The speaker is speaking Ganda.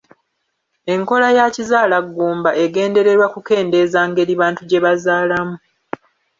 Enkola ya kizaalaggumba egendererwa kukendeeza ngeri bantu gye bazaalamu.